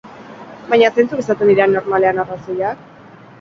Baina zeintzuk izaten dira normalean arrazoiak?